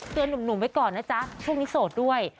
หนุ่มไว้ก่อนนะจ๊ะช่วงนี้โสดด้วย